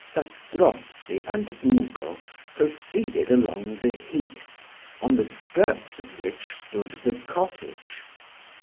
Zastrozzi and Ugo proceeded along the heath, on the skirts of which stood the cottage.